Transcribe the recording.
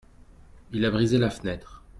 Il a brisé la fenêtre.